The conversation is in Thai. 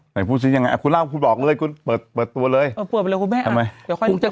แต่พูดสิทธิ์ยังไงคุณเล่าคุณบอกเลยคุณเปิดตัวเลยเออเปิดไปเลยคุณแม่ทำไม